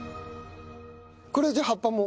これじゃあ葉っぱも？